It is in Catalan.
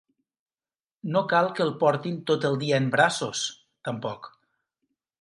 No cal que el portin tot el dia en braços, tampoc.